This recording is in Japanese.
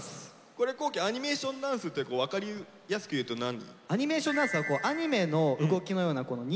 これ皇輝アニメーションダンスって分かりやすく言うと何？